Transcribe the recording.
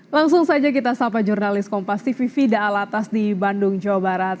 langsung saja kita sapa jurnalis kompas tv fida alatas di bandung jawa barat